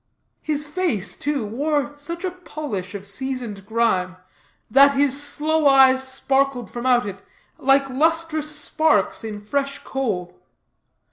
His face, too, wore such a polish of seasoned grime, that his sloe eyes sparkled from out it like lustrous sparks in fresh coal.